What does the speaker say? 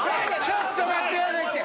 ちょっと待ってくださいって！